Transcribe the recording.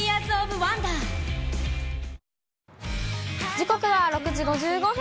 時刻は６時５５分。